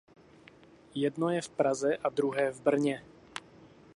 Jedno je v Praze a druhé v Brně.